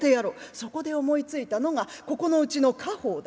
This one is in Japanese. そこで思いついたのがここのうちの家宝だ。